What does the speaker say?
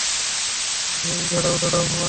হেই, দাঁড়াও, দাঁড়াও, হোয়া!